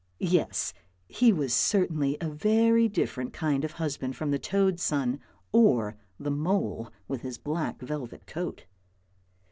Yes, he was certainly a very different kind of husband from the toad's son, or the mole with his black velvet coat.